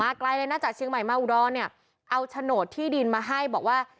ไกลเลยนะจากเชียงใหม่มาอุดรเนี่ยเอาโฉนดที่ดินมาให้บอกว่า